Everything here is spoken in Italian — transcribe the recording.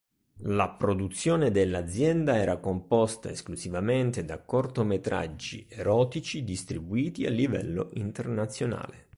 La produzione dell'azienda era composta esclusivamente da cortometraggi erotici distribuiti a livello internazionale.